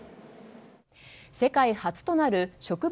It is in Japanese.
世界初となる植物